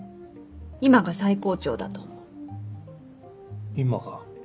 今が最高潮だと思う今が？